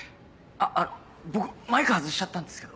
ああの僕マイク外しちゃったんですけど。